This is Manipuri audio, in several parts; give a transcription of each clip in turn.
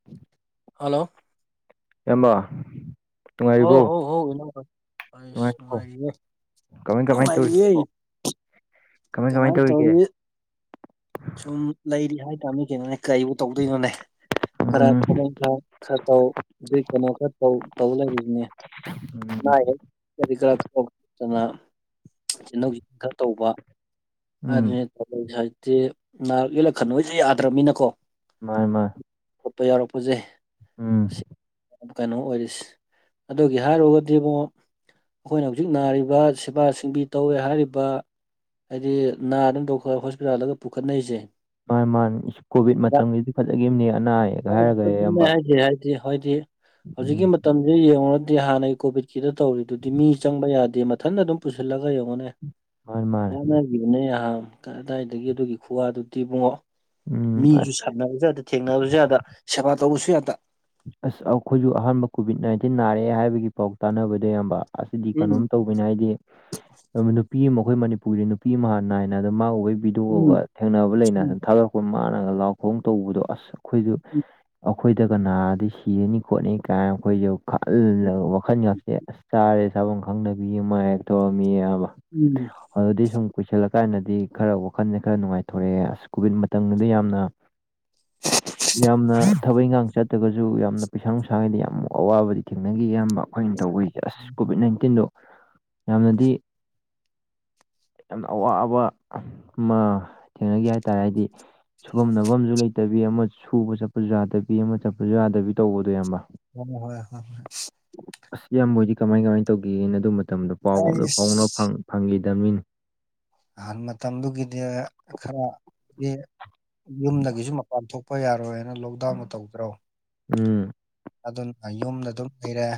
[inaudible] ꯍꯜꯂꯣ ꯍꯝꯕ ꯑꯣ ꯍꯣ ꯍꯣ ꯏꯅ ꯀꯁ ꯅꯨꯡꯉꯥꯏꯔꯤꯕꯣ ꯅꯨꯡꯉꯥꯏꯔꯤꯌꯦ ꯀꯃꯥꯏ ꯀꯃꯥꯏ ꯇꯧꯔꯤꯒꯦ ꯅꯨꯡꯉꯥꯏꯔꯤꯌꯦ ꯀꯃꯥꯏ ꯀꯃꯥꯏ ꯀꯃꯥꯏꯅ ꯇꯧꯔꯤꯒꯦ ꯇꯧꯔꯤ ꯁꯨꯝ ꯂꯩꯔꯤ ꯍꯥꯏꯇꯥꯔꯅꯤ ꯀꯩꯅꯣꯅꯦ ꯀꯩꯕꯨ ꯇꯧꯗꯣꯏꯅꯣꯅꯦ ꯈꯔ ꯎꯝ ꯊꯕꯛ ꯈꯔ ꯈꯔ ꯇꯧ ꯑꯗꯨꯏ ꯀꯩꯅꯣ ꯈꯔ ꯇꯧ ꯇꯧ ꯂꯩꯔꯤꯅꯦ ꯎꯝ ꯃꯥꯏ ꯑꯟ ꯀꯔꯤ ꯀ ꯅꯠꯇꯅ ꯆꯊꯧ ꯆꯦꯟꯊꯟ ꯈꯔ ꯇꯧꯕ ꯎꯝ ꯍꯥꯏꯗꯅꯤ ꯇ [unintelligible] ꯁꯤ ꯅꯍꯛ ꯌꯨꯜꯂꯛ ꯀꯅꯨꯁꯦ ꯌꯥꯗ꯭ꯔꯕꯅꯤꯅꯀꯣ ꯃꯥꯏ ꯃꯥꯥꯏ ꯈꯣꯠꯄ ꯌꯥꯎꯔꯛꯄꯁꯦ ꯁꯤ ꯎꯝ ꯀꯩꯅꯣ ꯑꯣꯏꯔꯤꯁꯦ ꯑꯗꯨꯒꯤ ꯍꯥꯏꯔꯨꯔꯒꯗꯤꯕꯨ ꯑꯩꯈꯣꯏꯅ ꯍꯧꯖꯤꯛ ꯅꯥꯔꯤꯕ ꯁꯦꯕꯥ ꯁꯤꯡꯕꯤ ꯇꯧꯋꯦ ꯍꯥꯏꯔꯤꯕ ꯍꯥꯏꯗꯤ ꯅꯥꯗꯝ ꯗꯣꯛꯇꯔ ꯍꯣꯁꯄꯤꯇꯥꯜꯗꯒ ꯄꯨꯈꯠꯅꯔꯤꯁꯦ ꯃꯥꯥꯟ ꯃꯥꯥꯟ ꯀꯣꯚꯤꯠ ꯃꯇꯝꯒꯤꯗꯤ ꯐꯠꯂꯈꯤꯕꯅꯦ ꯑꯅꯥ ꯑꯌꯦꯛ ꯍꯥꯏꯔꯒ ꯑꯗꯨꯅꯦ ꯏꯌꯥꯝꯕ ꯍꯥꯏꯁ ꯍꯥꯏꯗꯤ ꯍꯥꯏꯗꯤ ꯍꯧꯖꯤꯛꯀꯤ ꯎꯝ ꯃꯇꯝ ꯁꯤ ꯌꯦꯡꯉꯨꯔꯗꯤ ꯍꯥꯟꯅꯒꯤ ꯀꯣꯚꯤꯠꯀꯤꯗ ꯇꯧꯔꯤꯗꯨꯗꯤ ꯃꯤ ꯆꯪꯕ ꯌꯥꯗꯦ ꯃꯊꯟꯗ ꯑꯗꯨꯝ ꯄꯨꯁꯤꯜꯂꯒ ꯌꯦꯡꯉꯨꯅꯦ ꯃꯥꯅꯤ ꯃꯥꯅꯤ ꯋꯥꯠꯅꯈꯤꯕꯅꯦ ꯑꯍꯥꯟ ꯀ ꯀꯗꯥꯏꯗꯒꯤ ꯑꯗꯨꯒꯤ ꯈꯨꯋꯥꯗꯨꯗꯤꯕꯨꯡꯉꯣ ꯎꯝ ꯑꯁ ꯃꯤꯁꯨ ꯁꯥꯟꯅꯕꯁꯨ ꯌꯥꯗ ꯊꯦꯡꯅꯕꯁꯨ ꯌꯥꯗ ꯁꯦꯕꯥ ꯇꯧꯕꯁꯨ ꯌꯥꯗ ꯑꯁ ꯑꯩꯈꯣꯏꯁꯨ ꯑꯍꯥꯟꯕ ꯀꯣꯚꯤꯠ ꯅꯥꯏꯟꯇꯤꯟ ꯅꯥꯔꯛꯑꯦ ꯍꯥꯏꯕꯒꯤ ꯄꯥꯎ ꯇꯥꯟꯅꯕꯗ ꯏꯌꯥꯝꯕ ꯑꯁꯤꯗꯤ ꯀꯩꯅꯣꯝ ꯎꯝ ꯇꯧꯕ ꯣꯏꯅ ꯍꯥꯏꯗꯤ ꯅꯨꯄꯤ ꯑꯃ ꯑꯩꯈꯣꯏ ꯃꯅꯤꯄꯨꯔꯒꯤ ꯅꯨꯄꯤ ꯑꯃ ꯍꯥꯟ ꯅꯥꯏꯅꯗ ꯃꯥ ꯎꯕꯒꯤꯕꯤ ꯎꯝ ꯊꯣꯛꯑꯒ ꯊꯦꯡꯅꯕ ꯂꯩꯅ ꯁ ꯎꯝ ꯊꯥꯒꯂꯛꯄ ꯃꯥꯥꯟꯂꯒ ꯂꯥꯎ ꯈꯣꯡ ꯇꯧꯕꯗꯣ ꯑꯁ ꯑꯩꯈꯣꯏꯁꯨ ꯑꯩꯈꯣꯏꯗ ꯀꯅꯥꯗꯤ ꯁꯤꯔꯅꯤ ꯈꯣꯠꯅꯤ ꯀꯥꯏꯅ ꯑꯩꯈꯣꯏꯁꯨ ꯈꯜꯂꯒ ꯋꯥꯈꯜ ꯉꯁꯦ ꯑꯁ ꯆꯥꯔꯦ ꯆꯥꯐꯝ ꯈꯪꯗꯕꯤ ꯑꯃ ꯍꯦꯛ ꯇꯧꯔꯝꯃꯤ ꯑꯕ ꯎꯝ ꯑꯗꯨꯗꯤ ꯁꯨꯝ ꯀꯣꯏꯁꯤꯜꯂꯀꯥꯟꯗꯗꯤ ꯈꯔ ꯋꯥꯈꯜꯁꯦ ꯈꯔ ꯅꯨꯡꯉꯥꯏꯊꯣꯔꯛꯑꯦ ꯑꯁ ꯀꯣꯚꯤꯗ ꯃꯇꯝꯗ ꯌꯥꯝꯅ ꯌꯥꯝꯅ ꯊꯕꯛ ꯏꯪꯈꯥꯡ ꯆꯠ ꯑꯗꯨꯒꯒꯁꯨ ꯌꯥꯝꯅ ꯄꯩꯁꯥ ꯅꯨꯡꯁꯥꯉꯗ ꯌꯥꯝ ꯑꯋꯥꯕꯗꯤ ꯊꯦꯡꯅꯈꯤ ꯑꯌꯥꯝꯕ ꯑꯩꯈꯣꯏꯅ ꯇꯧꯕꯁꯦ ꯑꯁ ꯀꯣꯚꯤꯠ ꯅꯥꯏꯟꯇꯤꯟꯗꯣ ꯌꯥꯝꯅꯗꯤ ꯌꯥꯝꯅ ꯑꯋꯥꯕ ꯑꯃ ꯊꯦꯡꯅꯒꯦ ꯍꯥꯏꯇꯥꯔꯦꯗꯤ ꯁꯨꯐꯝ ꯅꯐꯝꯝꯨ ꯂꯩꯇꯕꯤ ꯑꯃ ꯁꯨꯕ ꯆꯠꯄꯁꯨ ꯌꯥꯗꯕꯤ ꯑꯃ ꯆꯠꯄꯁꯨ ꯌꯥꯗꯕꯤ ꯇꯧꯕꯗꯣ ꯏꯕ ꯍꯣꯏ ꯍꯣꯏ ꯍꯣꯏ ꯍꯣꯏ ꯑꯁ ꯌꯥꯝꯕꯣꯏꯗꯤ ꯀꯃꯥꯏ ꯀꯃꯥꯏꯅ ꯇꯧꯒꯦꯅ ꯑꯗꯨ ꯃꯇꯝꯗ ꯄꯥꯎꯒꯥꯎꯇ ꯐꯥꯎꯅꯕ ꯑꯩꯁ ꯐꯪꯈꯤꯗꯕꯅꯤ ꯑꯍꯥꯟ ꯃꯇꯝꯗꯨꯒꯤꯗꯤ ꯈꯔꯗꯤ ꯌꯨꯝꯗꯒꯤꯁꯨ ꯃꯄꯥꯟ ꯊꯣꯛꯄ ꯌꯥꯔꯣꯏ ꯍꯥꯏꯅ ꯂꯣꯛꯗꯥꯎꯟ ꯇꯧꯗ꯭ꯔꯣ ꯎꯝ ꯑꯗꯨꯅ ꯌꯨꯝꯗ ꯑꯗꯨꯝ ꯂꯩꯔꯦ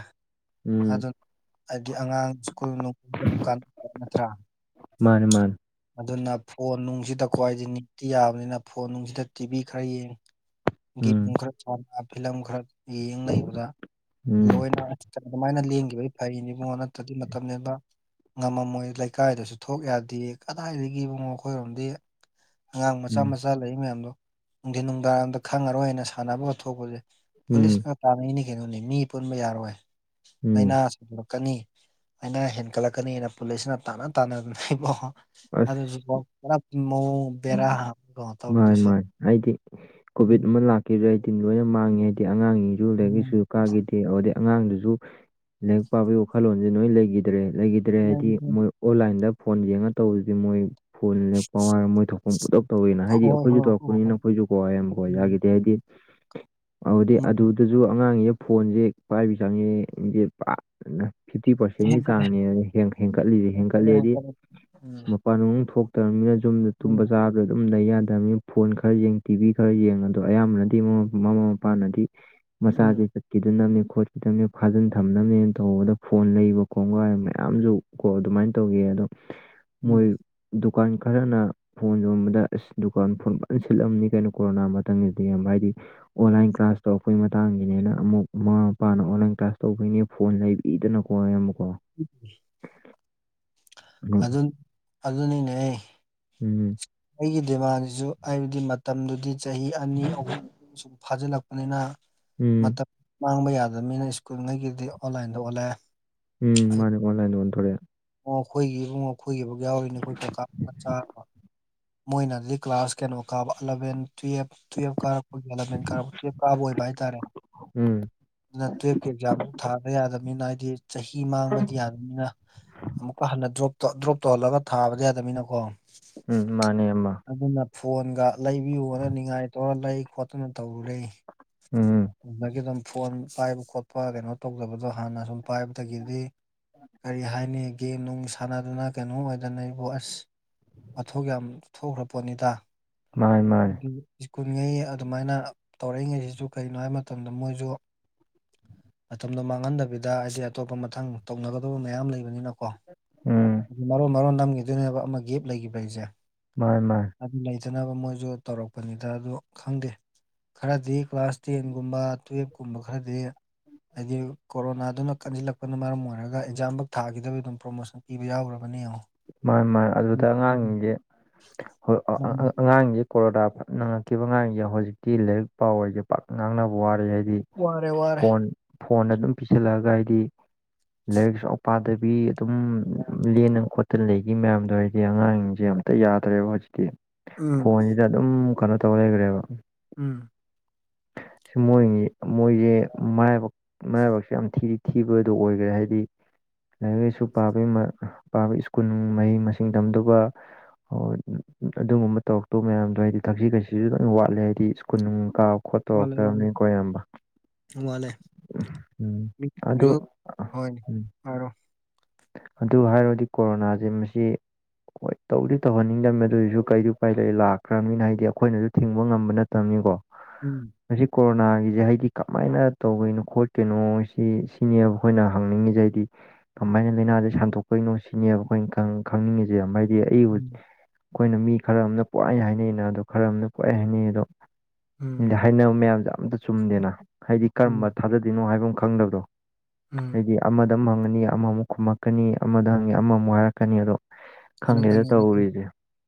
ꯎꯝ ꯑꯗꯨ ꯍꯥꯏꯗꯤ ꯑꯉꯥꯡ ꯁ꯭ꯀꯨꯜ ꯀ ꯅꯠꯇ꯭ꯔꯥ ꯃꯥꯅꯦ ꯃꯥꯅꯦ ꯑꯗꯨꯅ ꯐꯣꯟ ꯅꯨꯡꯁꯤꯗ ꯈ꯭ꯋꯥꯏꯗꯤ ꯅꯤꯇꯤ ꯌꯥꯕꯅꯤꯅ ꯐꯣꯟ ꯅꯨꯡꯁꯤꯗ ꯇꯤꯚꯤ ꯈꯔ ꯌꯦꯡꯉꯤ ꯒꯦꯝ ꯎꯝ ꯈꯔ ꯐꯤꯂꯝ ꯈꯔ ꯌꯦꯡ ꯂꯩꯕꯗ ꯎꯝ ꯂꯣꯏꯅ ꯑꯗꯨꯃꯥꯏꯅ ꯂꯦꯡꯒꯤꯈꯤꯕꯗꯤ ꯐꯩꯅꯤ ꯏꯕꯉꯣ ꯅꯠꯇ꯭ꯔꯗꯤ ꯃꯇꯝ ꯅꯕ ꯉꯝꯃꯝꯃꯣꯏ ꯂꯩꯀꯥꯏꯗꯁꯨ ꯊꯣꯛ ꯌꯥꯗꯦ ꯀꯗꯥꯏꯗꯒꯤꯣ ꯃꯈꯣꯏꯔꯣꯝꯗꯤ ꯑꯉꯥꯡ ꯃꯆꯥ ꯎꯝ ꯃꯆꯥ ꯂꯩ ꯃꯌꯥꯝꯗꯣ ꯅꯨꯡꯊꯤꯟ ꯅꯨꯡꯗꯥꯡꯔꯝꯗ ꯈꯪꯉꯔꯣꯏ ꯍꯥꯏꯅ ꯁꯥꯟꯅꯕꯒ ꯊꯣꯛꯄꯁꯦ ꯎꯝ ꯄꯨꯂꯤꯁꯅ ꯇꯥꯅꯉꯤꯅꯤ ꯀꯩꯅꯣꯅꯤ ꯃꯤ ꯄꯨꯟꯕ ꯌꯥꯔꯣꯏ ꯂꯥꯏꯅꯥ ꯎꯝ ꯂꯛꯀꯅꯤ ꯑꯩꯅ ꯍꯦꯟꯒꯠꯂꯛꯀꯅꯤꯅ ꯄꯨꯂꯤꯁꯅ ꯇꯥꯟꯅ ꯇꯥꯟꯅꯗꯅ ꯏꯕꯣ ꯑꯁ ꯑꯗꯨꯖꯨꯀꯣ ꯄꯨꯔꯥ ꯃꯑꯣꯡ ꯕꯦꯔꯥ ꯑꯝꯅꯤꯀꯣ ꯃꯥꯅꯤ ꯃꯥꯅꯤ ꯍꯥꯏꯗꯤ ꯀꯣꯚꯤꯠ ꯎꯝ ꯑꯃ ꯂꯥꯛꯀꯦꯖꯨ ꯌꯥꯏ ꯇꯤꯝ ꯂꯣꯏꯅ ꯃꯥꯡꯉꯦ ꯍꯥꯏꯗꯤ ꯎꯝ ꯑꯉꯥꯡꯖꯤꯡꯖꯤ [unintelligible] ꯀꯥꯈꯤꯗꯦ ꯑꯗꯩ ꯑꯉꯥꯡꯗꯨꯖꯨ ꯂꯥꯏꯔꯤꯛ ꯄꯥꯕꯒꯤ ꯋꯥꯈꯜꯂꯣꯟꯖꯦ ꯂꯣꯏ ꯂꯩꯈꯤꯗ꯭ꯔꯦ ꯂꯩꯒꯤ ꯗ꯭ꯔꯦ ꯍꯥꯏꯗꯤ ꯑꯗꯒꯤꯗꯤ ꯃꯣꯏ ꯑꯣꯟꯂꯥꯏꯟꯗ ꯐꯣꯟ ꯌꯦꯡꯉ ꯇꯧꯕꯁꯤꯗꯤ ꯃꯣꯏ ꯐꯣꯟꯜ ꯂꯥꯏꯔꯤꯛ ꯄꯥꯎ ꯍꯥꯏꯔꯒ ꯃꯣꯏ ꯊꯣꯛꯄ ꯑꯃ ꯄꯨꯡꯇꯧ ꯇꯧꯋꯤꯅ ꯍꯣꯏ ꯑꯩꯈꯣꯏꯖꯨ ꯍꯣꯏ ꯍꯣꯏ ꯇꯧꯔꯛꯄꯅꯤꯅ ꯍꯣꯏ ꯑꯩꯈꯣꯏꯖꯨ ꯀꯣꯕꯀꯣ ꯌꯥꯝ ꯎꯝ ꯌꯥꯈꯤꯗꯦ ꯍꯥꯏꯗꯤ ꯑꯗꯨꯗꯤ ꯃꯥ ꯑꯗꯨ ꯑꯗꯨꯖꯨ ꯑꯉꯥꯡꯖꯦꯅ ꯐꯣꯟꯖꯦ ꯄꯥꯏꯕꯤ ꯁꯥꯟꯅꯩꯌꯦ ꯒꯦꯝ [unintelligible] ꯐꯤꯞꯇꯤ ꯄꯥꯔꯁꯦꯟꯒꯤ ꯍꯦꯟꯀꯠꯂꯦ ꯆꯥꯡꯅꯤ ꯍꯦꯟꯀꯠꯂꯤꯁꯦ ꯍꯦꯟꯀꯠꯂꯦ ꯍꯦꯟꯀꯠꯂꯤꯗꯤ ꯍꯦꯟꯀꯠꯂꯦ ꯎꯝ ꯃꯄꯥꯟ ꯅꯨꯡ ꯑꯝ ꯊꯣꯛꯇ꯭ꯔꯅꯤꯅ ꯌꯨꯝꯗ ꯇꯨꯝꯕ ꯎꯝ ꯆꯥꯕ ꯑꯗꯨꯝ ꯂꯩꯕ ꯌꯥꯗꯦ ꯐꯣꯟ ꯈꯔ ꯌꯦꯡꯉ ꯇꯤꯚꯤ ꯈꯔ ꯌꯦꯡ ꯑꯗꯣ ꯑꯌꯥꯝꯕꯅꯗꯤ ꯃꯃꯥꯥ ꯃꯃꯥ ꯃꯄꯥꯅꯗꯤ ꯃꯆꯥꯖꯦ ꯎꯝ ꯆꯠꯈꯤꯗꯅꯃꯦ ꯈꯣꯠ ꯈꯤꯇꯪꯅꯦ ꯐꯥꯖꯤꯟ ꯊꯝꯅꯕꯅꯦꯅ ꯇꯧꯕꯗ ꯐꯣꯟ ꯂꯩꯕ ꯀꯣꯡꯒꯥꯏ ꯃꯌꯥꯝꯖꯨ ꯀꯣ ꯑꯗꯨꯃꯥꯏꯅ ꯇꯧꯒꯤꯌꯦ ꯑꯗꯣ ꯎꯝ ꯃꯣꯏ ꯗꯨꯀꯥꯟ ꯈꯔꯅ ꯐꯣꯟ ꯌꯣꯟꯕꯗ ꯑꯁ ꯗꯨꯀꯥꯟ ꯐꯣꯟ ꯐꯅ ꯁꯤꯠꯂꯝꯅꯤ ꯀꯩꯅꯣ ꯀꯣꯔꯣꯅꯥ ꯃꯇꯝꯒꯤꯗꯤ ꯏꯌꯥꯝꯕ ꯍꯥꯏꯗꯤ ꯑꯣꯟꯂꯥꯏꯟ ꯀ꯭ꯂꯥꯁ ꯇꯧꯔꯛꯄꯩ ꯃꯇꯥꯡꯒꯤꯅꯦꯅ ꯑꯃꯨꯛ ꯃꯃꯥ ꯃꯄꯥꯅ ꯑꯣꯟꯂꯥꯏꯟ ꯀ꯭ꯂꯥꯁ ꯇꯧꯕꯩꯅꯦ ꯐꯣꯟ ꯂꯩꯕꯤꯗꯅ ꯀꯣ ꯏꯌꯥꯝꯕ ꯀꯣ [inaudible] ꯎꯝ ꯑꯗꯨꯟ ꯑꯗꯨꯅꯤꯅꯦꯍꯦ ꯎꯝ ꯎꯝ ꯑꯩꯒꯤ ꯗꯤꯃꯥꯟꯖꯤꯖꯨ ꯍꯥꯏꯕꯗꯤ ꯃꯇꯝꯗꯨꯗꯤ ꯆꯍꯤ ꯑꯅꯤ ꯑꯍꯨꯝ ꯐꯥꯖꯤꯜꯂꯛꯄꯅꯤꯅ ꯎꯝ ꯃꯇꯝ ꯃꯥꯡꯕ ꯌꯥꯗꯕꯅꯤꯅ ꯁ꯭ꯀꯨꯜꯉꯩꯒꯤꯗꯤ ꯑꯣꯟꯂꯥꯏꯟꯗ ꯑꯣꯜꯂꯑꯦ ꯎꯝ ꯃꯥꯅꯦ ꯑꯣꯟꯂꯥꯏꯟꯗ ꯑꯣꯟꯊꯣꯔꯛꯑꯦ ꯑꯩꯈꯣꯏꯒꯤ ꯏꯕꯨꯡꯉꯣ ꯑꯩꯈꯣꯏꯒꯤ ꯕꯧ ꯌꯥꯎꯔꯤꯅꯦ ꯑꯩꯈꯣꯏ ꯀꯀꯥ ꯃꯆꯥ ꯑꯃ ꯃꯣꯏꯅꯗꯤ ꯀ꯭ꯂꯥꯁ ꯀꯩꯅꯣ ꯀꯥꯕ ꯑꯂꯚꯦꯟ ꯇꯨꯌꯦꯜꯞ ꯇꯨꯌꯦꯜꯞ ꯀꯥꯔꯛ ꯑꯩꯈꯣꯏꯒꯤ ꯏꯂꯚꯦꯟ ꯀꯥꯕ ꯇꯨꯌꯦꯜꯞ ꯀꯥꯕ ꯑꯣꯏꯕ ꯍꯥꯏꯇꯥꯔꯦ ꯎꯝ ꯑꯗꯨꯅ ꯇꯨꯌꯦꯜꯞꯀꯤ ꯑꯦꯛꯖꯥꯝ ꯊꯥꯗ ꯌꯥꯗꯕꯅꯤꯅ ꯍꯥꯏꯗꯤ ꯆꯍꯤ ꯃꯥꯡꯕꯗꯤ ꯌꯥꯗꯕꯅꯤꯅ ꯑꯃꯨꯛꯀ ꯍꯟꯅ ꯗ꯭ꯔꯣꯞ ꯇꯧ ꯗ꯭ꯔꯣꯞ ꯇꯧꯍꯜꯂꯒ ꯊꯥꯕꯗꯤ ꯌꯥꯗꯝꯅꯤꯅꯀꯣ ꯎꯝ ꯃꯥꯅꯦ ꯏꯌꯥꯝꯃ ꯐꯣꯟꯒ ꯂꯩꯕꯤꯌꯨꯅ ꯅꯤꯡꯉꯥꯏꯇꯧꯔ ꯂꯩ ꯈꯣꯠꯇꯨꯅ ꯇꯧꯔꯨꯔꯦ ꯎꯝ ꯑꯗꯒꯤ ꯑꯗꯨꯝ ꯐꯣꯟ ꯄꯥꯏꯕ ꯈꯣꯠꯄ ꯀꯩꯅꯣ ꯇꯧꯖꯕꯗꯣ ꯍꯥꯟꯅ ꯁꯨꯝ ꯄꯥꯏꯕꯗꯒꯤꯗꯤ ꯀꯔꯤ ꯍꯥꯏꯅꯤ ꯒꯦꯝ ꯅꯨꯡ ꯁꯥꯟꯅꯗꯨꯅ ꯀꯩꯅꯣ ꯑꯣꯏꯗꯅ ꯏꯕꯣ ꯑꯁ ꯋꯥꯊꯣꯛ ꯌꯥꯝ ꯊꯣꯛꯈ꯭ꯔ ꯄꯣꯠꯅꯤꯗ ꯃꯥꯅꯦ ꯃꯥꯅꯦ ꯗꯨ ꯁ꯭ꯀꯨꯜꯉꯩ ꯑꯗꯨꯃꯥꯏꯅ ꯇꯧꯔꯛꯏ ꯉꯩꯗꯩꯖꯨ ꯀꯔꯤꯅꯣ ꯍꯥꯏꯕ ꯃꯇꯝꯗ ꯃꯣꯏꯖꯨ ꯃꯇꯝꯗꯣ ꯃꯥꯡꯍꯟꯗꯕꯤꯗ ꯑꯩꯁꯦ ꯑꯇꯣꯞꯄ ꯃꯊꯪ ꯇꯧꯅꯒꯗꯕ ꯃꯌꯥꯝ ꯂꯩꯕꯅꯤꯅ ꯎꯝ ꯃꯔꯣꯟ ꯃꯔꯣꯟ ꯅꯝꯒꯤꯗꯣꯏꯅꯦꯕ ꯑꯃ ꯒꯦꯞ ꯂꯩꯒꯤꯕ ꯍꯥꯏꯖꯦ ꯃꯥꯅꯦ ꯃꯥꯥꯏ ꯑꯗꯨ ꯂꯩꯇꯅꯕ ꯃꯣꯏꯖꯨ ꯇꯧꯔꯛꯄꯅꯤꯗ ꯑꯗꯨ ꯈꯪꯗꯦ ꯈꯔꯗꯤ ꯀ꯭ꯂꯥꯁ ꯇꯦꯟꯒꯨꯝꯕ ꯇꯨꯌꯦꯜꯕꯀꯨꯝꯕ ꯈꯔꯗꯤ ꯍꯥꯏꯗꯤ ꯀꯣꯔꯣꯅꯥꯗꯨꯅ ꯀꯟꯁꯤꯜꯂꯛꯄꯅ ꯃꯔꯝ ꯑꯣꯏꯔꯒ ꯑꯦꯛꯖꯥꯝ ꯕꯧ ꯊꯥꯈꯤꯗꯕ ꯑꯗꯨꯝ ꯄ꯭ꯔꯃꯣꯁꯟ ꯄꯤꯕ ꯌꯥꯎꯈ꯭ꯔꯕꯅꯦ ꯌꯦꯡꯉꯣ ꯃꯥꯅꯤ ꯃꯥꯅꯦ ꯑꯗꯨꯗ ꯑꯉꯥꯡꯖꯤꯡꯖꯦ [unintelligible] ꯑꯉꯥꯡꯖꯦ ꯀꯣꯔꯣꯅꯥ ꯐꯅ ꯅꯪꯉꯛꯈꯤꯕ ꯑꯉꯥꯡꯖꯤꯡꯖꯦ ꯍꯧꯖꯤꯛꯇꯤ ꯂꯥꯏꯔꯤꯛ ꯄꯥꯎ ꯍꯥꯏꯖꯦ ꯄꯥꯛ ꯉꯥꯡꯅꯕ ꯋꯥꯔꯦ ꯍꯥꯏꯗꯤ ꯋꯥꯔꯦ ꯋꯥꯔꯦ ꯐꯣꯟꯗ ꯑꯗꯨꯝ ꯄꯤꯁꯤꯜꯂꯛꯑꯒ ꯍꯥꯏꯗꯤ ꯂꯥꯏꯔꯤꯛꯁꯨ ꯑ ꯄꯗꯕꯤ ꯑꯗꯨꯝ ꯂꯦꯟꯅ ꯈꯣꯠ [unintelligible] ꯃꯌꯥꯝꯗꯣ ꯍꯥꯏꯗꯤ ꯑꯉꯥꯡꯖꯤꯡꯖꯦ ꯑꯝꯇ ꯌꯥꯗ꯭ꯔꯦꯕ ꯍꯧꯖꯤꯛꯇꯤ ꯎꯝ ꯐꯣꯟꯁꯤꯗ ꯑꯗꯨꯝ ꯀꯩꯅꯣ ꯇꯧ ꯂꯩꯕꯅꯦꯕ ꯎꯝ ꯁ ꯃꯣꯏꯒꯤ ꯃꯣꯏꯒꯤ ꯃꯔꯥꯏꯕꯛ ꯃꯔꯥꯏꯕꯛꯁꯦ ꯌꯥꯝ ꯊꯤ ꯊꯤꯕꯗꯣ ꯑꯣꯏꯒ꯭ꯔꯦ ꯍꯥꯏꯗꯤ ꯂꯥꯏꯔꯤꯛ ꯂꯥꯏꯁꯨ ꯄꯥꯕꯒꯤ ꯃ ꯄꯥꯕꯩ ꯁ꯭ꯀꯨꯜ ꯃꯍꯩ ꯃꯁꯤꯡ ꯇꯝꯗꯨꯕ [unintelligible] ꯑꯗꯨꯒꯨꯝꯕ ꯇꯧꯔꯛꯇꯧ ꯃꯌꯥꯝꯗꯣ ꯍꯥꯏꯗꯤ ꯊꯛꯁꯤ ꯈꯥꯁꯤꯖꯨ ꯑꯗꯨꯝ ꯋꯥꯠꯂꯦ ꯍꯥꯏꯗꯤ ꯁ꯭ꯀꯨꯟ ꯅꯨꯡ ꯀꯥꯕ ꯈꯣꯠ ꯋꯥꯠꯂꯦ ꯋꯥꯠꯂꯦ ꯇꯣꯛꯇꯕꯅꯤꯀꯣꯌꯥꯝꯕ ꯑꯗꯨ [unintelligible] ꯎꯝ ꯍꯥꯏꯔꯣ ꯑꯗꯨ ꯍꯥꯏꯔꯧꯗꯤ ꯀꯣꯔꯣꯅꯥꯖꯦ ꯃꯁꯤ ꯍꯣꯏ ꯇꯧꯗꯤ ꯇꯧꯍꯟꯅꯤꯡꯗꯝꯅꯦ ꯑꯗꯨꯏꯖꯨ ꯀꯩꯗꯤ ꯎꯄꯥꯏ ꯂꯩ ꯂꯥꯛꯈ꯭ꯔꯕꯅꯤꯅ ꯍꯥꯏꯗꯤ ꯑꯩꯈꯣꯏꯅꯁꯨ ꯊꯤꯡꯕ ꯉꯝꯕ ꯅꯠ ꯇꯝꯅꯤꯀꯣ ꯎꯝ ꯃꯁꯤ ꯀꯣꯔꯣꯅꯥꯒꯤꯖꯦ ꯍꯥꯏꯗꯤ ꯀꯃꯥꯏꯅ ꯇꯧꯕꯩꯅꯣ ꯈꯣꯠꯈ꯭ꯔꯤꯅꯣ ꯁꯤ ꯁꯤꯅꯦꯕ ꯑꯩꯈꯣꯏꯅ ꯍꯪꯅꯤꯡꯉꯤꯖꯦ ꯍꯥꯏꯗꯤ ꯀꯃꯥꯏꯅ ꯂꯩꯅꯥꯖꯦ ꯁꯟꯗꯣꯛꯄꯒꯤꯅꯣ ꯁꯤꯅꯦꯕ ꯑꯩꯈꯣꯏꯅ ꯈꯪ ꯈꯪꯅꯤꯡꯉꯤꯖꯦ ꯃꯗꯤ [unintelligible] ꯑꯩꯕꯨ ꯎꯝ ꯑꯩꯈꯣꯏꯅ ꯃꯤ ꯈꯔ ꯑꯃꯅ ꯄꯪꯍꯥꯏ ꯍꯥꯏꯅꯩꯅ ꯑꯗꯣ ꯈꯔ ꯑꯃꯅ ꯄꯪꯍꯥꯏ ꯍꯥꯏꯅꯩ ꯑꯗꯣ ꯗꯤ ꯎꯝ ꯍꯥꯏꯅꯕ ꯃꯌꯥꯝꯗꯣ ꯑꯝꯇ ꯆꯨꯝꯗꯦꯅ ꯍꯥꯏꯗꯤ ꯀꯔꯝꯕ ꯎꯝ ꯊꯥꯖꯣꯗꯣꯏꯅꯣ ꯍꯥꯏꯕ ꯑꯃ ꯈꯪꯗꯕꯗꯣ ꯎꯝ ꯍꯥꯏꯗꯤ ꯑꯃꯗ ꯑꯃꯨꯛ ꯍꯪꯉꯅꯤ ꯑꯃꯃꯨꯛ ꯈꯨꯝꯃꯛꯀꯅꯤ ꯑꯃꯗ ꯍꯪꯉꯅꯤ ꯑꯃꯃꯨꯛ ꯍꯥꯏꯔꯛꯀꯅꯤ ꯑꯗꯣ ꯈꯪꯗꯦꯗ [unintelligible] ꯇꯧꯔꯤꯁꯦ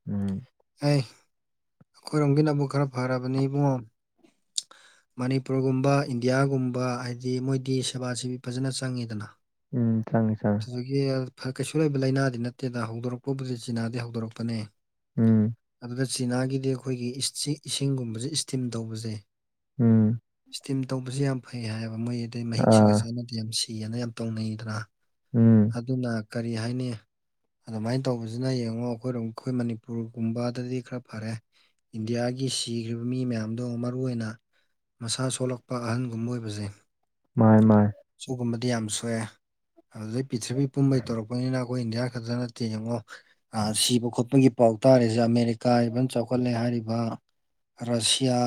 ꯎꯝ ꯍꯩ ꯑꯩꯈꯣꯏꯔꯣꯝꯒꯤꯅꯕꯨꯛ ꯈꯔ ꯐꯔꯕꯅꯤ ꯏꯕꯨꯡꯉꯣ [inaudible] ꯃꯅꯤꯄꯨꯔꯒꯨꯝꯕ ꯏꯟꯗꯤꯌꯥꯒꯨꯝꯕ ꯍꯥꯏꯗꯤ ꯃꯣꯏꯗꯤ ꯁꯦꯕꯥꯁꯤꯕꯤ ꯐꯖꯅ ꯆꯪꯉꯤꯗꯅ ꯎꯝ ꯆꯪꯉꯦ ꯆꯪꯉꯦ ꯑꯗꯨꯒꯤ ꯀꯩꯁꯨ ꯂꯩꯕ ꯂꯥꯏꯅꯥꯗꯤ ꯅꯠꯇꯦꯗ ꯍꯧꯗꯣꯔꯛꯄꯕꯨꯗꯤ ꯆꯤꯅꯥꯗꯩ ꯍꯧꯗꯣꯔꯛꯄꯅꯦ ꯎꯝ ꯑꯗꯨꯗ ꯆꯤꯅꯥꯒꯤꯗꯤ ꯑꯩꯈꯣꯏꯒꯤ ꯏꯁꯤ ꯏꯁꯤꯡꯒꯨꯝꯕꯖꯦ ꯏꯁꯇꯤꯝ ꯇꯧꯕꯖꯦ ꯎꯝ ꯏꯁꯇꯤꯝ ꯇꯧꯕꯁꯤ ꯌꯥꯝ ꯐꯩ ꯍꯥꯏꯌꯦꯕ ꯃꯣꯏꯒꯤꯗꯤ ꯃꯍꯤꯛꯁꯤꯒ ꯑꯥ ꯁꯦꯅꯗꯤ ꯌꯥꯝ ꯁꯤꯑꯅ ꯌꯥꯝ ꯇꯧꯅꯩꯗꯅ ꯎꯝ ꯑꯗꯨꯅ ꯀꯔꯤ ꯍꯥꯏꯅꯤ ꯑꯗꯨꯃꯥꯏꯟ ꯇꯧꯕꯖꯤꯅ ꯌꯦꯡꯉꯣ ꯑꯩꯈꯣꯏꯔꯣꯝ ꯑꯩꯈꯣꯏ ꯃꯅꯤꯄꯨꯔꯒꯨꯝꯕꯗꯗꯤ ꯈꯔ ꯐꯔꯦ ꯏꯟꯗꯤꯌꯥꯒꯤ ꯁꯤꯈ꯭ꯔꯤꯕ ꯃꯤ ꯃꯌꯥꯝꯗꯣ ꯃꯔꯨ ꯑꯣꯏꯅ ꯃꯁꯥ ꯁꯣꯜꯂꯛꯄ ꯑꯍꯟꯒꯨꯝꯕ ꯑꯣꯏꯕꯖꯦ ꯃꯥꯏ ꯃꯥꯏ ꯁꯤꯒꯨꯝꯕꯗꯤ ꯌꯥꯝ ꯁꯣꯛꯑꯦ ꯑꯗꯨꯗꯩ ꯄꯤꯔꯤꯊꯤꯕꯤ ꯄꯨꯝꯕꯩ ꯇꯧꯔꯛꯄꯅꯤꯅ ꯑꯩꯈꯣꯏ ꯏꯟꯗꯤꯌꯥ ꯈꯛꯇ ꯅꯠꯇꯦ ꯌꯦꯡꯉꯣ ꯑ ꯁꯤꯕ ꯈꯣꯠꯄꯒꯤ ꯄꯥꯎ ꯇꯥꯔꯤꯖꯦ ꯑꯃꯦꯔꯤꯀꯥ ꯏꯚꯟ ꯆꯥꯎꯈꯠꯂꯦ ꯍꯥꯏꯔꯤꯕ ꯔꯁꯤꯌꯥ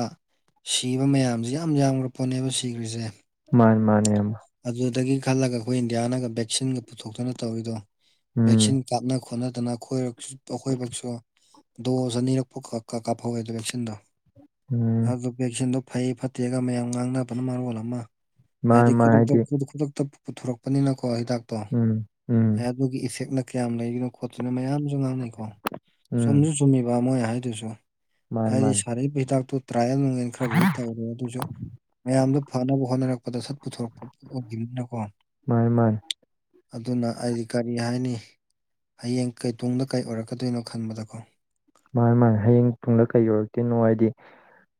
ꯁꯤꯕ ꯃꯌꯥꯝꯖꯦ ꯌꯥꯝ ꯌꯥꯝꯒ꯭ꯔ ꯄꯣꯠꯅꯦꯕ ꯁꯤꯒ꯭ꯔꯤꯖꯦ ꯃꯥꯅꯦ ꯃꯥꯅꯦ ꯏꯌꯥꯝꯕ ꯑꯗꯨꯗꯒꯤ ꯈꯜꯂꯒ ꯑꯩꯈꯣꯏ ꯏꯟꯗꯤꯌꯥꯅꯒ ꯚꯦꯛꯁꯤꯟꯒ ꯄꯨꯊꯣꯛꯇꯅ ꯇꯧꯔꯤꯗꯣ ꯎꯝ ꯚꯦꯛꯁꯤꯟ ꯀꯥꯞꯅ ꯈꯣꯠꯅꯗꯅ ꯑꯩꯈꯣꯏꯔꯛ ꯑꯩꯈꯣꯏꯕꯛꯁꯨ ꯗꯣꯁ ꯑꯅꯤꯔꯛꯄꯨ ꯀꯥ ꯀꯥ ꯀꯥꯞꯐꯧꯋꯦꯗꯣ ꯚꯦꯛꯁꯤꯟꯗꯣ ꯎꯝ ꯑꯗꯨ ꯚꯦꯛꯁꯤꯟꯗꯨ ꯐꯩ ꯐꯠꯇꯦꯒ ꯃꯌꯥꯝ ꯉꯥꯡꯅꯕꯅ ꯃꯔꯣꯜ ꯑꯃ ꯃꯥꯥꯏ ꯃꯥꯥꯏ ꯍꯥꯏꯗꯤ ꯈꯨꯗꯛ ꯈꯨꯗꯛꯇ ꯄꯨꯊꯣꯔꯛꯄꯅꯤꯅꯀꯣ ꯍꯤꯗꯥꯛꯇꯣ ꯎꯝ ꯎꯝ ꯑꯗꯨꯒꯤ ꯏꯐꯦꯛꯅ ꯀꯌꯥꯝ ꯂꯩꯔꯤꯅꯣ ꯈꯣꯠꯇꯨꯅ ꯃꯌꯥꯝꯖꯨ ꯉꯥꯡꯅꯩꯀꯣ ꯎꯝ ꯆꯨꯝꯖꯨ ꯆꯨꯝꯃꯤꯕ ꯃꯣꯏ ꯍꯥꯏꯗꯨꯖꯨ ꯃꯥꯅꯦ ꯍꯥꯏꯗꯤ ꯃꯥꯅꯦ ꯁꯥꯔꯛꯏꯔꯤꯕ ꯍꯤꯗꯥꯛꯇꯨ ꯇ꯭ꯔꯥꯌꯦꯜ ꯅꯨꯡꯌꯦꯜ ꯈꯔꯕꯨꯗꯤ ꯇꯧꯔꯨ [unintelligible] ꯑꯗꯨꯏꯖꯨ ꯃꯌꯥꯝꯗ ꯐꯪꯅꯕ ꯍꯣꯠꯅꯔꯛꯄꯗ ꯁꯠ ꯄꯨꯊꯣꯔꯛꯄ ꯑꯣꯏꯈꯤꯕꯅꯤꯅꯀꯣ ꯃꯥꯅꯦ ꯃꯥꯅꯦ ꯑꯗꯨꯅ ꯑꯩꯗꯤ ꯀꯔꯤ ꯍꯥꯏꯅꯤ ꯍꯌꯦꯡ ꯀꯩ ꯇꯨꯡꯗ ꯀꯩ ꯑꯣꯏꯔꯛꯀꯗꯣꯏꯅꯣ ꯈꯟꯕꯗꯀꯣ ꯃꯥꯅꯤ ꯃꯥꯅꯤ ꯍꯌꯦꯡ ꯇꯨꯡꯗ ꯀꯩ ꯑꯣꯏꯔꯛꯇꯣꯏꯅꯣ ꯍꯥꯏꯗꯤ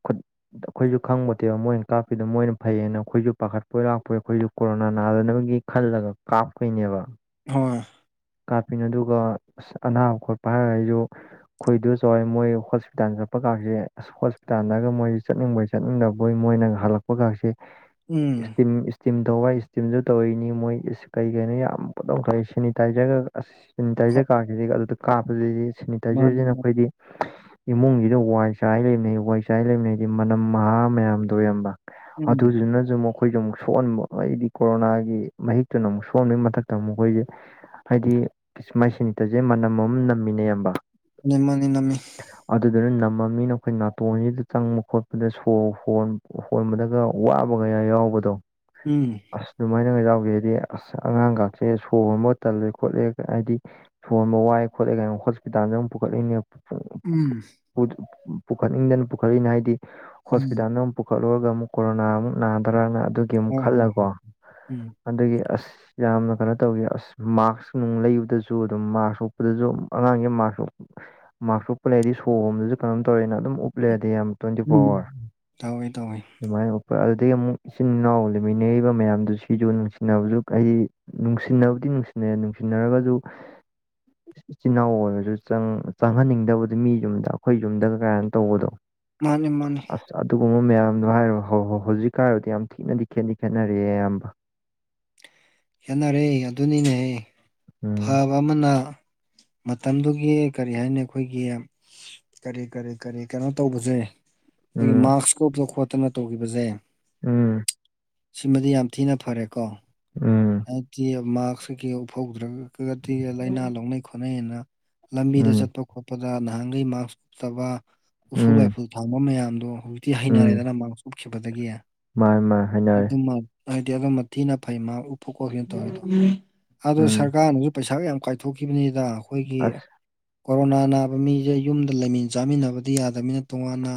ꯈꯨꯠ ꯑꯩꯈꯣꯏꯖꯨ ꯈꯪꯕꯠꯇꯦꯕ ꯃꯣꯏꯅ ꯀꯥꯞꯄꯤꯗꯣ ꯃꯣꯏꯅ ꯐꯩꯌꯦꯅ ꯑꯩꯈꯣꯏꯖꯨ ꯄꯥꯈꯠꯄꯣꯏ ꯂꯥꯛꯄꯣꯏ ꯑꯩꯈꯣꯏꯖꯨ ꯀꯣꯔꯣꯅꯥ ꯅꯥꯗꯅꯕꯒꯤ ꯈꯜꯂꯒ ꯀꯥꯞꯀꯣꯏꯅꯦꯕ ꯍꯣꯏ ꯀꯥꯞꯄꯤꯅꯤ ꯑꯗꯨꯒ ꯑꯁ ꯑꯅꯥꯕ ꯈꯣꯠꯄ ꯍꯥꯏꯔꯒ ꯑꯩꯁꯨ ꯑꯩꯈꯣꯏ ꯏꯟꯗꯣ ꯆꯥꯑꯣꯏ ꯃꯣꯏ ꯍꯣꯁꯄꯤꯇꯥꯜ ꯆꯠꯄ ꯀꯥꯁꯦ ꯑꯁ ꯍꯣꯁꯄꯤꯇꯥꯜꯗꯒ ꯃꯣꯏꯁꯤ ꯆꯠꯅꯤꯡꯕꯩ ꯆꯠꯅꯤꯡꯗꯕꯣꯏ ꯃꯣꯏꯅꯒ ꯍꯜꯂꯛꯄꯒꯁꯤ ꯎꯝ ꯏꯁꯇꯤꯝ ꯏꯁ ꯏꯁꯇꯤꯝ ꯇꯧꯕ ꯏꯁꯇꯤꯝꯁꯨ ꯇꯧꯔꯤꯅꯤ ꯃꯣꯏ ꯀꯔꯤ ꯀꯔꯤꯅꯣ ꯌꯥꯝ ꯐꯗꯧꯈꯛꯏ ꯁꯦꯅꯤꯇꯥꯏꯖꯔꯒ ꯑꯁ ꯍꯣꯏ ꯁꯦꯅꯤꯇꯥꯏꯖꯔ ꯀꯥꯈꯤꯁꯤ ꯑꯗꯨꯗ ꯀꯥꯞꯄꯗꯗꯤ ꯃꯥꯅꯤ ꯁꯦꯅꯤꯇꯥꯏꯖꯔꯁꯤꯅ ꯃꯥꯅꯤ ꯑꯩꯈꯣꯏꯗꯤ ꯏꯃꯨꯡꯁꯤꯗ ꯋꯥꯏ ꯆꯥꯏ ꯂꯩꯕꯅꯩ ꯋꯥꯏ ꯆꯥꯏ ꯂꯩꯕꯅꯤ ꯍꯥꯏꯗꯤ ꯃꯅꯝ ꯃꯍꯥ ꯃꯌꯥꯝꯗꯣ ꯏꯌꯥꯝꯕ ꯎꯝ ꯑꯗꯨꯗꯨꯅꯁꯨ [unintelligible] ꯑꯩꯈꯣꯏꯁꯨꯦ ꯑꯃꯨꯛ ꯁꯣꯛꯍꯟꯕ ꯍꯥꯏꯗꯤ ꯀꯣꯔꯣꯅꯥꯒꯤ ꯃꯍꯤꯛꯇꯨꯅ ꯑꯃꯨꯛ ꯁꯣꯛꯍꯟꯕꯒꯤ ꯃꯊꯛꯇ ꯑꯃꯨꯛ ꯑꯩꯈꯣꯏꯁꯦ ꯍꯥꯏꯗꯤ ꯑꯁ ꯃꯥꯏ ꯁꯦꯅꯤꯇꯔꯁꯦ ꯃꯅꯝ ꯑꯃꯝ ꯅꯝꯃꯤꯅꯦ ꯏꯌꯥꯝꯕ [unintelligible] ꯅꯃꯤ ꯑꯗꯨꯗꯨꯅ ꯅꯝꯃꯅꯤꯅ ꯑꯩꯈꯣꯏ ꯅꯥꯇꯣꯟꯁꯤꯗ ꯆꯪꯕ ꯈꯣꯠꯄꯗ ꯁꯣꯔ ꯍꯣꯟ ꯍꯣꯟꯕꯗꯒ ꯋꯥꯕꯒ ꯀꯌꯥ ꯌꯥꯎꯕꯗꯣ ꯎꯝ ꯑꯁ ꯑꯗꯨꯃꯥꯏꯅꯒ ꯌꯥꯎꯒꯦ ꯍꯥꯏꯗꯤ ꯑꯁ ꯑꯉꯥꯡꯒꯥꯛꯁꯦ ꯁꯣ ꯍꯣꯟꯕꯒ ꯇꯜꯂꯦ ꯈꯣꯠꯂꯦꯒ ꯍꯥꯏꯗꯤ ꯁꯣꯟꯕ ꯋꯥꯏ ꯈꯣꯠꯂꯦ ꯒꯥꯏꯅ ꯍꯣꯁꯄꯤꯇꯥꯜꯗ ꯑꯃꯨꯛ ꯄꯨꯈꯠꯂꯤꯅꯦ ꯎꯝ ꯄꯨ ꯄꯨꯈꯠꯅꯤꯡꯗꯅ ꯄꯨꯈꯠꯂꯤꯅꯤ ꯍꯥꯏꯗꯤ ꯎꯝ ꯍꯣꯁꯄꯤꯇꯥꯜꯗ ꯑꯃꯨꯛ ꯄꯨꯈꯠꯂꯨꯔꯒ ꯑꯃꯨꯛ ꯀꯣꯔꯣꯅꯥ ꯑꯃꯨꯛ ꯅꯥꯗ꯭ꯔꯅ ꯑꯗꯨꯒꯤ ꯑꯃꯨꯛ ꯍꯣꯏ ꯍꯣꯏ ꯈꯜꯂꯒꯀꯣ ꯍꯣꯏ ꯎꯝ ꯑꯗꯨꯒꯤ ꯑꯁ ꯑꯁ ꯌꯥꯝꯅ ꯀꯩꯅꯣ ꯇꯧꯋꯦ ꯑꯁ ꯃꯥꯛꯁ ꯅꯨꯡ ꯂꯩꯕꯗꯁꯨ ꯑꯗꯨꯝ ꯃꯥꯛꯁ ꯎꯞꯄꯗꯁꯨ ꯑꯉꯥꯡꯁ ꯃꯥꯛꯁ ꯎ ꯃꯥꯛꯁ ꯎꯞꯄ ꯂꯩꯔꯗꯤ ꯁꯣꯔꯍꯣꯟꯕꯗꯁꯨ ꯀꯩꯅꯣꯝ ꯇꯧꯔꯦꯅ ꯑꯗꯨꯝ ꯎꯝ ꯎꯞꯂꯩꯔꯗꯤ ꯏꯌꯥꯝꯕ ꯇ꯭ꯋꯦꯟꯇꯤ ꯐꯣꯔ ꯑꯋꯥꯔ ꯎꯝ. ꯇꯧꯋꯤ ꯇꯧꯋꯤ ꯑꯗꯨꯃꯥꯏꯅ ꯎꯄ ꯑꯗꯨꯗꯒꯤ ꯑꯃꯨꯛ ꯏꯆꯤꯟ ꯏꯅꯥꯎ ꯂꯩꯃꯤꯟꯅꯔꯤꯕ ꯃꯌꯥꯝꯗꯨ ꯁꯤꯁꯨ ꯅꯨꯡꯁꯤꯡꯅꯕꯁꯨ ꯑꯩ ꯅꯨꯡꯁꯤꯅꯕꯨꯗꯤ ꯅꯨꯡꯁꯤꯅꯩ ꯅꯨꯡꯁꯤꯅꯔꯒꯁꯨ ꯏꯆꯤꯜ ꯏꯅꯥꯎ ꯑꯣꯏꯔꯁꯨ ꯆꯪꯪ ꯆꯪꯍꯟꯅꯤꯡꯗꯕꯗꯤ ꯃꯤ ꯌꯨꯝꯗ ꯑꯩꯈꯣꯏ ꯌꯨꯝꯗꯒ ꯀꯥꯏꯅ ꯇꯧꯕꯗꯣ ꯃꯥꯅꯤ ꯃꯥꯅꯦ ꯑꯁ ꯑꯗꯨꯒꯨꯝꯕ ꯃꯌꯥꯝꯗꯣ ꯍꯥꯏꯌꯣ ꯍꯣꯏ ꯍꯣꯏ ꯍꯧꯖꯤꯛꯀ ꯍꯥꯏꯔꯣꯗꯤ ꯌꯥꯝ ꯊꯤꯅꯗꯤ ꯈꯦꯟꯗꯤ ꯈꯦꯠꯅꯔꯦ ꯏꯌꯥꯝꯕ ꯈꯦꯠꯅꯔꯦ ꯑꯗꯨꯅꯤꯅꯦ ꯎꯝ ꯐꯕ ꯑꯗꯣ ꯑꯃꯅ ꯃꯇꯝꯗꯨꯒꯤ ꯀꯔꯤ ꯍꯥꯏꯅꯤ ꯑꯩꯈꯣꯏꯒꯤ ꯀꯔꯤ ꯀꯔꯤ ꯀꯔꯤ ꯀꯩꯅꯣ ꯇꯧꯕꯁꯦ ꯑꯩꯈꯣꯏꯒꯤ ꯎꯝ ꯃꯥꯛꯁ ꯀ ꯎꯞꯇꯅ ꯈꯣꯠꯇꯅ ꯇꯧꯒꯤꯕꯁꯦ ꯎꯝ ꯁꯤꯃꯗꯤ ꯌꯥꯝ ꯊꯤꯅ ꯐꯔꯦꯀꯣ ꯎꯝ ꯍꯥꯏꯗꯤ ꯃꯥꯛꯁ ꯀꯩ ꯀꯩ ꯎꯐꯍꯧꯗ꯭ꯔꯒꯗꯤ ꯂꯥꯏꯅꯥ ꯂꯧꯅꯩ ꯈꯣꯠꯅꯩ ꯑꯅ ꯂꯝꯕꯤꯗ ꯎꯝ ꯆꯠꯄ ꯈꯣꯠꯄꯗ ꯅꯍꯥꯟꯒꯩ ꯃꯥꯛꯁ ꯎꯞꯇꯕ ꯎꯐꯨꯜ ꯎꯝ ꯋꯥꯏꯐꯨꯜ ꯊꯥꯡꯕ ꯃꯌꯥꯝꯗꯣ ꯍꯧꯖꯤꯛꯇꯤ ꯎꯝ ꯍꯩꯅꯔꯦꯗꯅ ꯃꯥꯥꯛꯁ ꯎꯨꯞꯈꯤꯕꯗꯒꯤ ꯃꯥꯅꯤ ꯃꯥꯅꯤ ꯍꯥꯏꯅꯔꯦ ꯑꯗꯨ ꯍꯥꯏꯗꯤ ꯑꯗꯨꯝꯕ ꯊꯤꯅ ꯐꯩ ꯃꯥ ꯎꯞꯄ ꯈꯣꯠꯈꯤꯕ ꯇꯧꯕꯗꯣ ꯑꯗꯨ ꯎꯝ ꯁꯔꯀꯥꯔꯅꯁꯨ ꯄꯩꯁꯥꯒ ꯌꯥꯝ ꯀꯥꯏꯊꯣꯛꯈꯤꯕꯅꯤꯗ ꯑꯩꯈꯣꯏꯒꯤ ꯑꯁ ꯀꯣꯔꯣꯅꯥ ꯅꯥꯕ ꯃꯤꯁꯦ ꯌꯨꯝꯗ ꯂꯩꯃꯤꯟ ꯆꯥꯃꯤꯟꯅꯕꯗꯤ ꯌꯥꯗꯕꯅꯤꯅ ꯇꯣꯉꯥꯟꯅ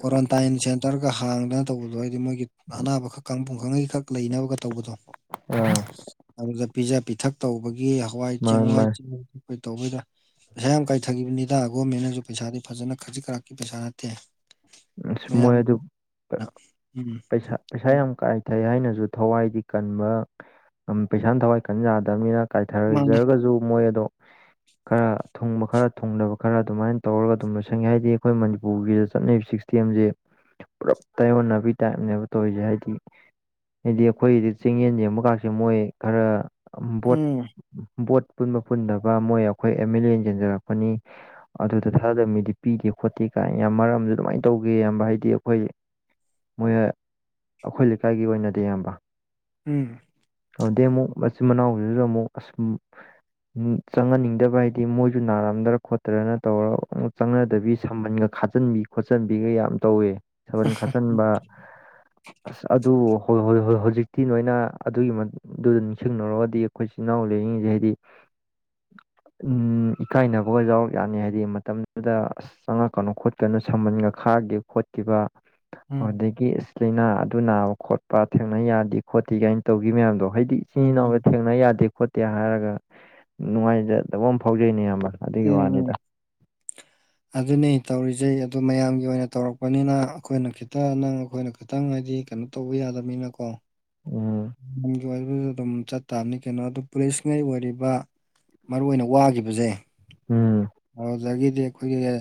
ꯀ꯭ꯋꯥꯔꯟꯇꯥꯏꯟ ꯁꯦꯟꯇꯔꯒ ꯍꯥꯡꯗꯅ ꯇꯧꯕꯗꯣ ꯍꯥꯏꯗꯤ ꯃꯣꯏ ꯑꯅꯥꯕꯈꯛ ꯀꯥꯡꯄꯨ ꯉꯩ ꯈꯛ ꯂꯩꯅꯕꯒ ꯇꯧꯕꯗꯣ ꯑ ꯑꯗꯨꯗ ꯄꯤꯖ ꯄꯤꯊꯛ ꯇꯧꯕꯒꯤ ꯍꯋꯥꯏ ꯆꯦꯡ ꯃꯥꯅꯤ ꯍꯋꯥꯏ ꯃꯥꯅꯤ [unintelligible] ꯇꯧꯕꯩꯗ ꯄꯩꯁꯥ ꯌꯥꯝ ꯀꯥꯏꯊꯒꯤꯈꯤꯕꯅꯤꯗ ꯒꯣꯔꯃꯦꯟꯅꯁꯨ ꯄꯩꯁꯥꯗꯤ ꯐꯖꯅ ꯈꯖꯤꯛ ꯈꯔꯥꯛꯀꯤ ꯄꯩꯁꯥ ꯅꯠꯇꯦ ꯑꯁ ꯃꯣꯏ ꯑꯗꯨ ꯃꯌꯥꯝꯒꯤꯅ ꯎꯝ ꯄꯩꯁꯥ ꯄꯩꯁꯥ ꯌꯥꯝ ꯀꯥꯏꯊꯩ ꯍꯥꯏꯅꯁꯨ ꯊꯋꯥꯏꯗꯤ ꯀꯟꯕ ꯄꯩꯁꯥꯅ ꯊꯋꯥꯏ ꯀꯟꯌꯥꯗꯕꯅꯤꯅ ꯃꯥꯅꯦ ꯀꯥꯏꯊꯖꯔꯒꯁꯨ ꯃꯣꯏ ꯑꯗꯣ ꯈꯔ ꯊꯨꯡꯕ ꯈꯔ ꯊꯨꯡꯗꯕ ꯈꯔ ꯑꯗꯨꯃꯥꯏꯅ ꯇꯧꯔꯒ ꯑꯗꯨꯝ ꯂꯣꯏꯁꯟꯒꯦ ꯍꯥꯏꯗꯦ ꯑꯩꯈꯣꯏ ꯃꯅꯤꯄꯨꯔꯒꯤꯗ ꯆꯠꯅꯔꯤꯕ ꯁꯤꯛꯁ ꯇꯦꯝꯁꯦ ꯄꯨꯂꯞ ꯇꯥꯏꯌꯣꯟꯅꯥꯕꯩ ꯇꯥꯏꯞꯅꯦꯕ ꯇꯧꯔꯤꯁꯦ ꯍꯥꯏꯗꯤ ꯍꯥꯏꯗꯤ ꯑꯩꯈꯣꯏꯒꯤꯗꯤ ꯆꯤꯡꯌꯦꯟ ꯌꯦꯡꯕꯒꯁꯦ ꯃꯣꯏ ꯈꯔ ꯚꯣꯠ ꯎꯝ ꯚꯣꯠ ꯄꯨꯟꯕ ꯄꯨꯟꯗꯕ ꯃꯣꯏ ꯑꯩꯈꯣꯏ ꯑꯦꯝ ꯑꯦꯜ ꯂꯩ ꯌꯦꯡꯖꯟꯅꯔꯛꯄꯅꯤ ꯑꯗꯨꯗ ꯊꯥꯗꯕ ꯃꯤꯗꯤ ꯄꯤꯗꯦ ꯈꯣꯠꯇꯦ ꯀꯥꯏꯅ ꯌꯥꯝ ꯃꯔꯝꯖꯨ ꯑꯗꯨꯃꯥꯏꯅ ꯇꯧꯒꯦ ꯌꯥꯝꯕ ꯍꯥꯏꯗꯤ ꯑꯩꯈꯣꯏ ꯃꯣꯏ ꯑꯩꯈꯣꯏ ꯂꯩꯀꯥꯏꯒꯤ ꯑꯣꯏꯅꯗꯤ ꯏꯌꯥꯝꯕ ꯎꯝ ꯑꯗꯨꯗꯩ ꯑꯃꯨꯛ ꯃꯆꯤꯟ ꯃꯅꯥꯎꯗꯨꯁꯨ ꯑꯃꯨꯛ ꯑꯁꯨꯝ ꯆꯪꯍꯟꯅꯤꯡꯗꯕ ꯍꯥꯏꯗꯤ ꯃꯣꯏꯁꯨ ꯅꯥꯔꯝꯗ꯭ꯔ ꯈꯣꯠꯇꯔꯅ ꯇꯧꯔꯒ ꯆꯪꯅꯗꯕꯤ ꯁꯃꯟꯒ ꯀꯠꯆꯤꯟꯕꯤ ꯈꯣꯠꯆꯤꯟꯕꯤꯒ ꯌꯥꯝ ꯇꯧꯋꯦ ꯁꯝꯕꯟ ꯈꯥꯆꯤꯟꯕ ꯑꯁ ꯑꯗꯨ ꯍꯣꯏ ꯍꯣꯏ ꯍꯣꯏ ꯍꯧꯖꯤꯛꯇꯤ ꯅꯣꯏꯅ ꯑꯗꯨꯒꯤ ꯑꯗꯨꯗ ꯅꯤꯡꯁꯤꯡꯅꯔꯨꯒꯗꯤ ꯑꯩꯈꯣꯏ ꯏꯆꯤꯟ ꯏꯅꯥꯎ ꯂꯩꯔꯤꯉꯩꯁꯦ ꯍꯥꯏꯗꯤ ꯎꯝ ꯏꯀꯥꯏꯅꯕꯒ ꯌꯥꯎꯔꯛ ꯌꯥꯅꯤ ꯍꯥꯏꯗꯤ ꯃꯇꯝꯗꯨꯗ ꯑꯁ ꯆꯪꯉꯛꯀꯅꯨ ꯈꯣꯠꯀꯅꯨ ꯁꯝꯕꯟꯒ ꯈꯥꯈꯤꯕ ꯈꯣꯠꯈꯤꯕ ꯎꯝ ꯎꯝ ꯑꯗꯨꯗꯒꯤ ꯂꯩꯅꯥ ꯑꯗꯨ ꯅꯥꯕ ꯈꯣꯠꯄ ꯊꯦꯡꯅ ꯌꯥꯗꯦ ꯈꯣꯠꯇꯦ ꯀꯥꯏꯅ ꯇꯧꯒꯤ ꯃꯌꯥꯝꯗꯣ ꯍꯥꯏꯩꯗꯤ ꯏꯆꯤꯟ ꯏꯅꯥꯎꯖꯦ ꯎꯝ ꯊꯦꯡꯅ ꯌꯥꯗꯦ ꯈꯣꯠꯇꯦ ꯍꯥꯏꯔꯒ ꯅꯨꯡꯉꯥꯏꯖꯗꯕ ꯑꯃ ꯐꯥꯎꯖꯩꯅꯦ ꯑꯌꯥꯝꯕ [unintelligible] [inaudible] ꯑꯗꯨꯅꯦ ꯇꯧꯔꯤꯖꯦ ꯑ ꯃꯌꯥꯝꯒꯤ ꯑꯣꯏꯅ ꯇꯧꯔꯛꯄꯅꯤꯅ ꯑꯩꯈꯣꯏꯅ ꯈꯤꯇꯪ ꯅꯪ ꯑꯩꯈꯣꯏꯅ ꯈꯤꯇꯪ ꯍꯥꯏꯗꯤ ꯀꯩꯅꯣ ꯇꯧꯕ ꯌꯥꯗꯕꯅꯤꯅꯀꯣ ꯎꯝ [unintelligible] ꯑꯗꯨꯝ ꯆꯠꯇꯇꯥꯕꯅꯤ ꯀꯩꯅꯣ ꯑꯗꯨ ꯄꯨꯂꯤꯁꯉꯩ ꯑꯣꯏꯔꯤꯕ ꯃꯔꯨ ꯑꯣꯏꯅ ꯋꯥꯒꯤꯕꯖꯦ ꯎꯝ ꯑꯗꯨꯗꯒꯤꯗꯤ ꯑꯩꯈꯣꯏꯒꯤ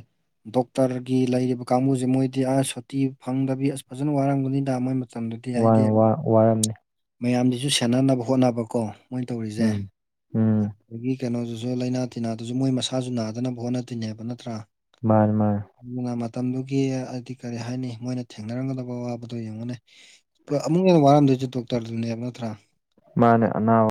ꯗꯣꯛꯇꯔꯒꯤ ꯂꯩꯔꯤꯕ ꯀꯥꯡꯕꯨꯁꯦ ꯃꯣꯏꯗꯤ ꯑꯥ ꯁꯨꯇꯤ ꯐꯪꯗꯕꯤ ꯑꯁ ꯐꯖꯅ ꯋꯥꯔꯝꯒꯅꯤꯗ ꯃꯣꯏ ꯃꯇꯝꯗꯨꯗꯤ ꯋꯥ ꯍꯥꯏꯗꯤ ꯋꯥ ꯋꯥꯔꯝꯅꯤ ꯃꯌꯥꯝꯒꯤꯁꯨ ꯁꯦꯟꯅꯅꯕ ꯍꯣꯠꯅꯕꯀꯣ ꯃꯣꯏ ꯇꯧꯔꯤꯖꯦ ꯎꯝ ꯎꯝ ꯑꯗꯒꯤ ꯀꯩꯅꯣꯗꯨꯖꯨ ꯂꯥꯏꯅꯥ ꯇꯤꯟꯅꯥꯗꯨꯁꯨ ꯃꯣꯏ ꯃꯁꯥꯖꯨ ꯅꯥ ꯅꯗꯅꯕ ꯍꯣꯠꯅꯗꯣꯏꯅꯦꯕ ꯅꯠꯇ꯭ꯔꯥ ꯃꯥꯅꯦ ꯃꯥꯅꯦ ꯑꯗꯨꯅ ꯃꯇꯝꯗꯨꯒꯤ ꯍꯥꯏꯗꯤ ꯀꯔꯤ ꯍꯥꯏꯅꯤ ꯃꯣꯏꯅ ꯊꯦꯡꯅꯔꯝꯒꯗꯕ ꯑꯋꯥꯕꯗꯣ ꯌꯦꯡꯉꯨꯅꯦ ꯑꯃꯨꯛ ꯍꯦꯟꯅ ꯋꯥꯔꯝꯗꯣꯏꯖꯦ ꯗꯣꯛꯇꯔ ꯗꯨꯅꯦꯕ ꯅꯠꯇ꯭ꯔꯥ ꯃꯥꯅꯦ ꯑꯅꯥꯕꯥ